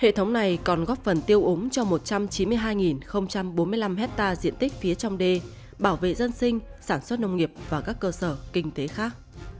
hệ thống này còn góp phần tiêu úng cho một trăm chín mươi hai bốn mươi năm hectare diện tích phía trong đê bảo vệ dân sinh sản xuất nông nghiệp và các cơ sở kinh tế khác